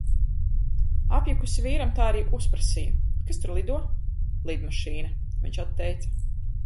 Apjukusi vīram tā arī uzprasīju: "Kas tur lido?" "Lidmašīna," viņš atteica.